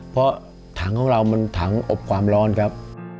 เพราะถังของเรามันถังอบความร้อนครับ